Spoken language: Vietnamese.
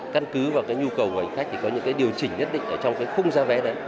căn cứ vào cái nhu cầu của hành khách thì có những cái điều chỉnh nhất định ở trong cái khung giá vé đấy